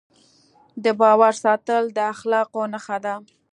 د باور ساتل د اخلاقو نښه ده.